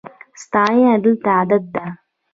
ستاینه دلته عادت ده.